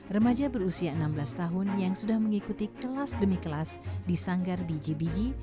remaja berusia enam belas tahun yang sudah mengikuti kelas demi kelas di sanggar biji biji